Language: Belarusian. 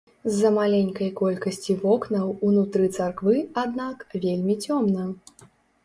З-за маленькай колькасці вокнаў, унутры царквы, аднак, вельмі цёмна.